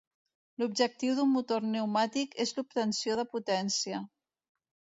L'objectiu d'un motor pneumàtic és l'obtenció de potència.